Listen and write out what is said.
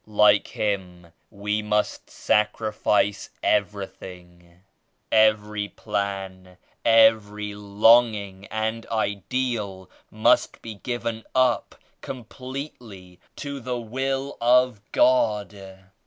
Like Him we must sacrifice everything; every plan, every longing and ideal must be given up completely to the Will of God.